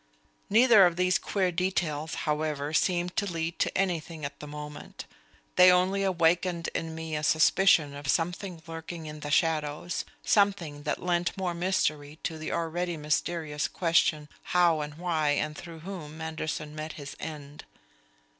Neither of these queer details, however, seemed to lead to anything at the moment. They only awakened in me a suspicion of something lurking in the shadows, something that lent more mystery to the already mysterious question how and why and through whom Manderson met his end.